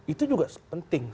itu juga penting